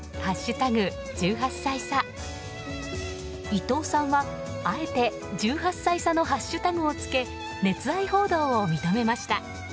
伊藤さんは、あえて「＃１８歳差」のハッシュタグをつけ熱愛報道を認めました。